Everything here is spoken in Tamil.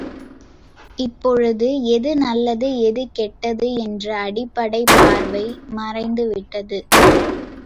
இப்பொழுது எது நல்லது எது கெட்டது என்ற அடிப்படை பார்வை மறைந்துவிட்டது.